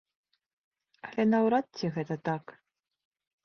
Але наўрад ці гэта так.